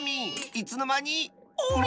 いつのまに⁉もう！